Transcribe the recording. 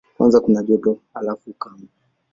Kwanza kuna joto, halafu ukame.